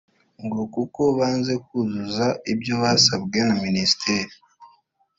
ngo kuko banze kuzuza ibyo basabwe na Ministeri